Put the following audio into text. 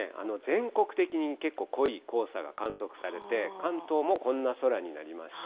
全国的に結構濃い黄砂が観測されて、関東もこんな空になりました。